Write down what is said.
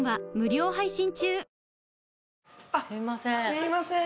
すいません。